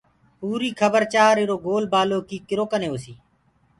پوريٚ کبر چآر ايرو گول بآلو ڪيٚ ڪرو ڪني هوسيٚ